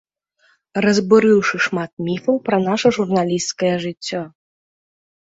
Разбурыўшы шмат міфаў пра наша журналісцкае жыццё.